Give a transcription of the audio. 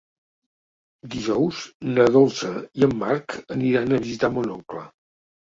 Dijous na Dolça i en Marc aniran a visitar mon oncle.